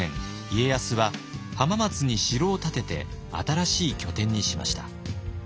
家康は浜松に城を建てて新しい拠点にしました。